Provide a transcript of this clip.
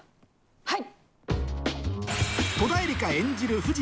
はい！